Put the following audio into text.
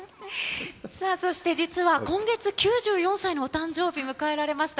さあそして、実は今月、９４歳のお誕生日を迎えられました